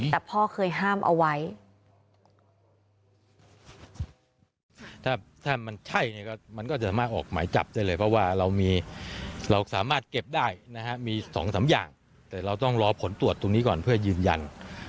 แต่พ่อเคยห้ามเอาไว้